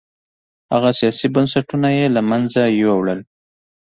هغه سیاسي بنسټونه یې له منځه یووړل